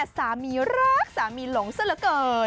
สามีรักสามีหลงซะเหลือเกิน